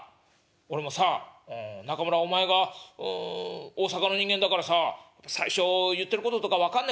俺もさ中村お前がう大阪の人間だからさ最初言ってることとか分かんないことあったもん」。